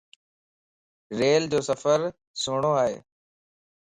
ريلَ جو سفر سھڻو ائي.